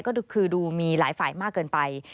ก็คือดูมีหลายฝ่ายมากเกินไป